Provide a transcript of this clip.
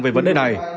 về vấn đề này